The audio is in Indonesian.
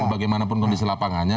mau bagaimanapun kondisi lapangannya